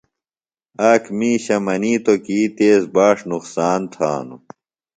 آک مِیشہ منِیتوۡ کی تیز باݜ نقصان تھانوۡ۔